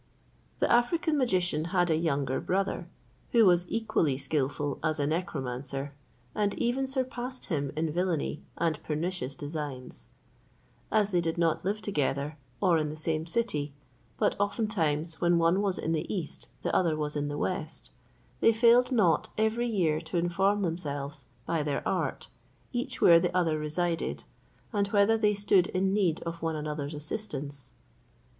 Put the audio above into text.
The African magician had a younger brother, who was equally skilful as a necromancer, and even surpassed him in villany and pernicious designs. As they did not live together, or in the same city, but oftentimes when one was in the east, the other was in the west, they failed not every year to inform themselves, by their art, each where the other resided, and whether they stood in need of one another's assistance.